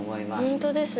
本当ですね。